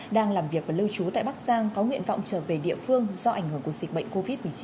đang làm việc và lưu trú tại bắc giang có nguyện vọng trở về địa phương do ảnh hưởng của dịch bệnh covid một mươi chín